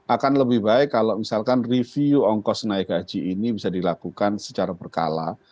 akan lebih baik kalau misalkan review ongkos naik haji ini bisa dilakukan secara berkala